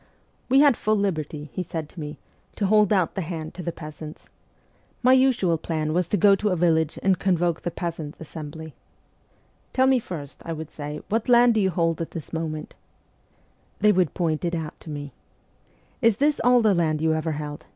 ' We had full liberty,' he said to me, ' to hold out the hand to the peasants. My usual plan was to go to a village and convoke the peasants' assembly. " Tell me first," I would say, "what land do you hold at this SIBERIA 207 moment ?" They would point it out to me. " Is this all the land you ever held